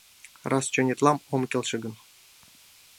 Раз чонетлан ом келше гын